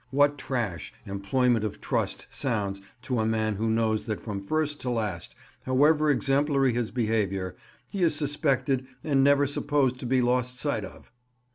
What trash "employment of trust" sounds to a man who knows that from first to last—however exemplary his behaviour—he is suspected, and never supposed to be lost sight of!